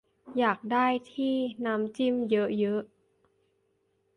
อยากได้ที่น้ำจิ้มเยอะเยอะ